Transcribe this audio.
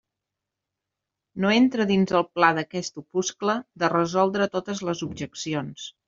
No entra dins del pla d'aquest opuscle de resoldre totes les objeccions.